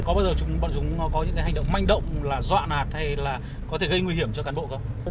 có bao giờ chúng có những hành động manh động là dọa nạt hay là có thể gây nguy hiểm cho cán bộ không